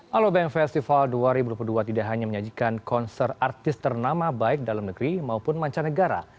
halo bank festival dua ribu dua puluh dua tidak hanya menyajikan konser artis ternama baik dalam negeri maupun mancanegara